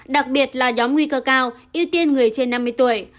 đặc biệt là nhóm nguy cơ cao ưu tiên người trên năm mươi tuổi